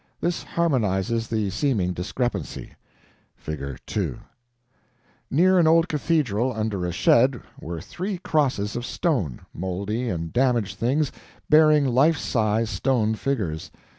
This harmonizes the seeming discrepancy. [Figure 2] Near an old cathedral, under a shed, were three crosses of stone moldy and damaged things, bearing life size stone figures.